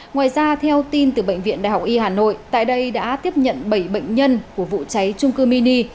ngoài ra theo tin từ bệnh viện đại học y hà nội tại đây đã tiếp nhận bảy bệnh nhân của vụ cháy trung cư mini